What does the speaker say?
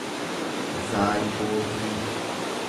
zaaygootii